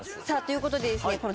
さあということでですね